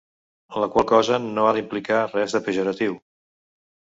La qual cosa no ha d’implicar res de pejoratiu.